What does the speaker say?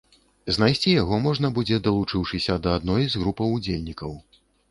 Знайсці яго можна будзе, далучыўшыся да адной з групаў удзельнікаў.